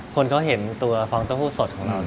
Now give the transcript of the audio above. คนเขาเห็นตัวฟองเต้าหู้สดของเรา